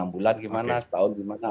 enam bulan gimana setahun gimana